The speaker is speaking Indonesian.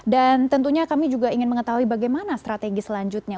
dan tentunya kami juga ingin mengetahui bagaimana strategi selanjutnya